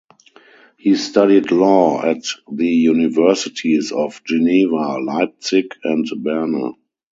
He studied law at the universities of Geneva, Leipzig and Berne.